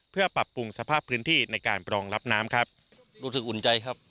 เพื่อปรับปรุงสภาพพื้นที่ในการปรองรับน้ำครับรู้สึกอุ่นใจครับ